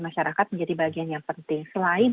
masyarakat menjadi bagian yang penting selain